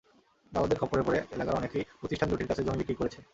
দালালদের খপ্পরে পড়ে এলাকার অনেকেই প্রতিষ্ঠান দুটির কাছে জমি বিক্রি করেছে।